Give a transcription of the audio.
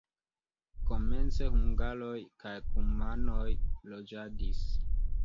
Komence hungaroj kaj kumanoj loĝadis.